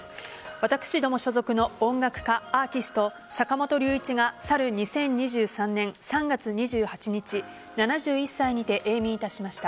私ども所属の音楽家、アーティスト坂本龍一が去る２０２３年３月２８日７１歳にて永眠いたしました。